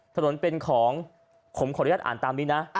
ถนนเป็นของผมขออนุญาตอ่านตามนี้นะ